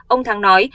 ông thắng nói